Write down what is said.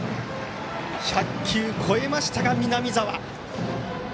１００球超えましたが、南澤。